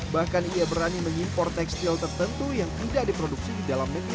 bahkan ia berani mengimpor tekstil tertentu yang tidak diproduksi di dalam negeri